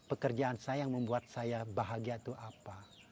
pekerjaan saya yang membuat saya bahagia itu apa